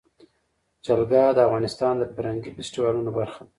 جلګه د افغانستان د فرهنګي فستیوالونو برخه ده.